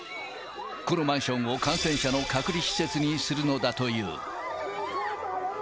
このマンションを感染者の隔離施設にするのだという。